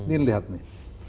ini lihat nih